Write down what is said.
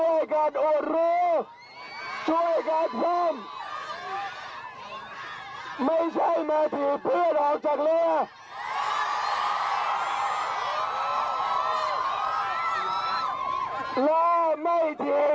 ออกจากเรือด้วย